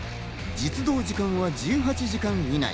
実働時間は１８時間以内。